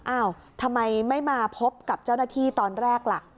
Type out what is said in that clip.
อ้าวทำไมไม่มาพบกับเจ้าหน้าที่ตอนแรกล่ะ